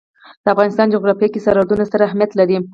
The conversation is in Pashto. د افغانستان جغرافیه کې سرحدونه ستر اهمیت لري.